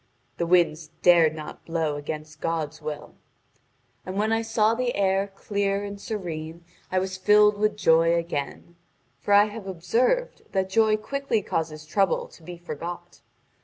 The winds dared not blow against God's will. And when I saw the air clear and serene I was filled with joy again. For I have observed that joy quickly causes trouble to be forgot.